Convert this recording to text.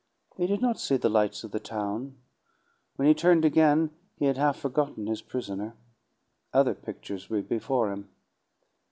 He did not see the lights of the town. When he turned again, he had half forgotten his prisoner; other pictures were before him.